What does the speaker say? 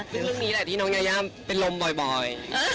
ซึ่งเรื่องนี้แหละที่น้องยายาเป็นลมบ่อย